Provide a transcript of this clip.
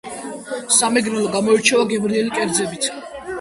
სამეგრელო გამოირჩევა გემრიელი კერძებით .